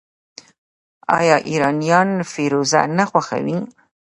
آیا ایرانیان فیروزه نه خوښوي؟